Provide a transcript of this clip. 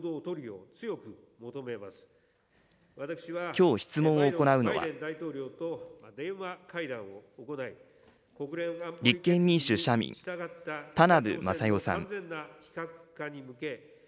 きょう質問を行うのは、立憲民主・社民、田名部匡代さん。